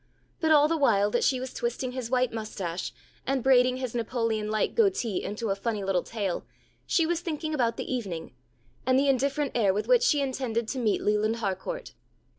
But all the while that she was twisting his white moustache, and braiding his Napoleon like goatee into a funny little tail, she was thinking about the evening, and the indifferent air with which she intended to meet Leland Harcourt.